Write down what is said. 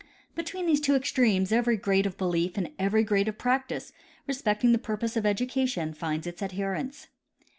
Between these two extremes every grade of belief and every grade of practice respecting the purpose of education finds its adherents.